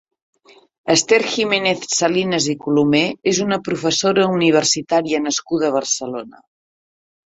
Esther Giménez-Salinas i Colomer és una professora universitària nascuda a Barcelona.